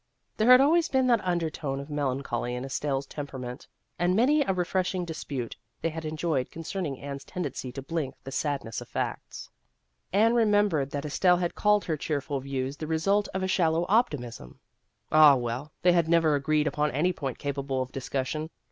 There had always been that undertone of melan choly in Estelle's temperament ; and many a refreshing dispute had they enjoyed con cerning Anne's tendency to blink the sad ness of facts. Anne remembered that A Case of Incompatibility 141 Estelle had called her cheerful views the result of a shallow optimism. Ah, well, they had never agreed upon any point capable of discussion.